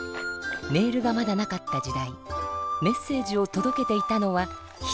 メールがまだなかった時代メッセージをとどけていたのは人。